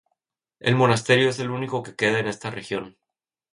El monasterio es el único que queda en esta región.